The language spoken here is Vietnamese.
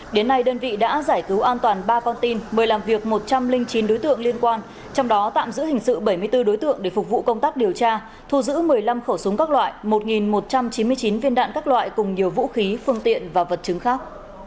đến nay đơn vị đã giải cứu an toàn ba con tin mời làm việc một trăm linh chín đối tượng liên quan trong đó tạm giữ hình sự bảy mươi bốn đối tượng để phục vụ công tác điều tra thu giữ một mươi năm khẩu súng các loại một một trăm chín mươi chín viên đạn các loại cùng nhiều vũ khí phương tiện và vật chứng khác